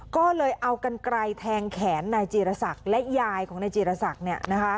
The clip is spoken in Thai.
ก็เลยเอากันไกลแทงแขนนายจีรศักดิ์และยายของนายจีรศักดิ์